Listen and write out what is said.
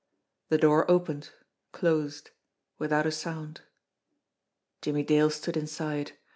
The door opened, closed without a sound. Jimmie Dale stood inside.